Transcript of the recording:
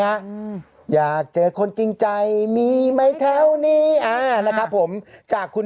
อืมอยากเจอคนจริงใจมีไหมแถวนี้อ่านะครับผมจากคุณ